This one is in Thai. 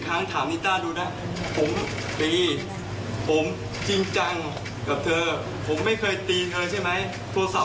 เวลาที่เราทำเราโกรธทำไมต้องโกหก